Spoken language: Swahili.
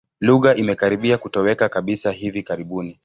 Lugha imekaribia kutoweka kabisa hivi karibuni.